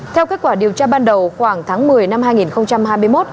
theo kết quả điều tra ban đầu khoảng tháng một mươi năm hai nghìn hai mươi một